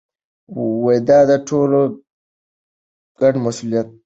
دا د ټولو ګډ مسؤلیت دی.